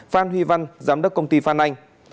phan huy văn giám đốc công ty phan anh